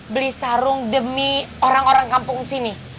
beli sarung demi orang orang kampung sini